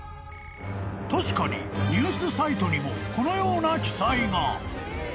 ［確かにニュースサイトにもこのような記載が］